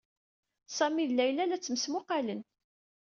Sami d Layla la ttmesmuqqalen.